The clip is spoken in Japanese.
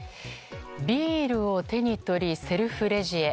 ビールを手に取りセルフレジへ。